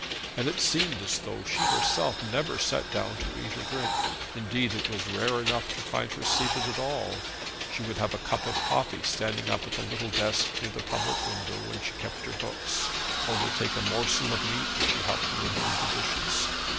And it seemed as though she herself never sat down to eat or drink. Indeed, it was rare enough to find her seated at all. She would have a cup of coffee standing up at the little desk near the public window when she kept her books, or would take a morsel of meat as she helped to remove the dishes.